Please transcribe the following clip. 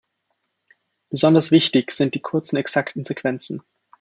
Besonders wichtig sind die kurzen exakten Sequenzen.